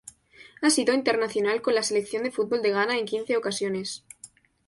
Ha sido internacional con la selección de fútbol de Ghana en quince ocasiones.